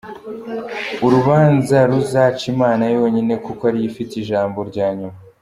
Urubanza ruzace Imana yonyine kuko ariyo ifite ijambo rya nyuma!